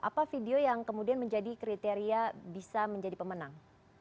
apa video yang kemudian menjadi kriteria bisa menjadi pemenang